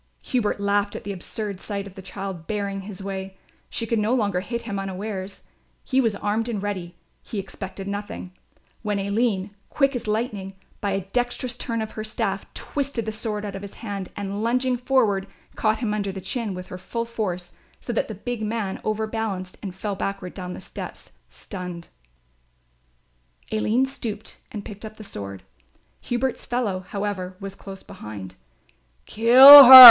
Hubert laughed at the absurd sight of the child barring his way. She could no longer hit him unawares; he was armed and ready, he expected nothing; when Aline, quick as lightning, by a dexterous turn of her staff, twisted the sword out of his hand, and lunging forward, caught him under the chin with her full force so that the big man overbalanced and fell backward down the steps, stunned. Aline stooped and picked up the sword. Hubert's fellow, however, was close behind. "Kill her!"